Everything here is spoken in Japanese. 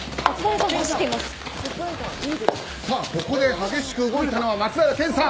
ここで激しく動いたのは松平健さん。